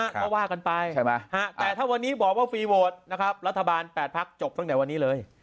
ก็ว่ากันไปใช่ไหมแต่ถ้าวันนี้บอกว่าฟรีโหวตนะครับรัฐบาล๘พักจบตั้งแต่วันนี้เลย